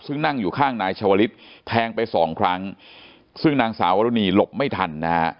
ซึ่งนั่งอยู่ข้างนายชาวลิศแทงไปสองครั้งซึ่งนางสาววรุณีหลบไม่ทันนะฮะ